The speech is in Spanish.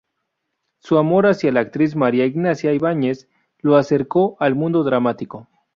Su amor hacia la actriz María Ignacia Ibáñez lo acercó al mundo dramático.